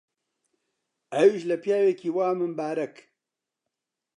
ئەویش لە پیاوێکی وا ممبارەک؟!